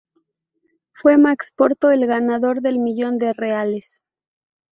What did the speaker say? Fue Max Porto el ganador del millón de reales.